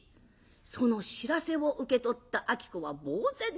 その知らせを受け取った子はぼう然自失。